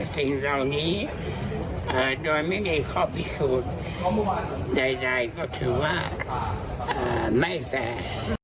สิ่งเหล่านี้โดยไม่มีข้อพิสูจน์ใดก็ถือว่าไม่แฟร์